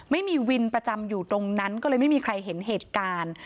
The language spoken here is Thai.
ไม่มีวินประจำอยู่ตรงนั้นก็เลยไม่มีใครเห็นเหตุการณ์